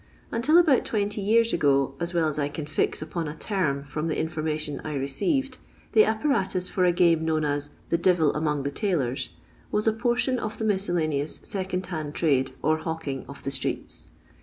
Until about 20 years ago, as well as I can fix upon a term from the information I received, the apparatus for a game known as the " Devil among the tailors " w:is a portion of the miscelhmeous second hand trade or hawking of the streets.